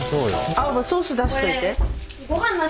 あおばソース出しといて。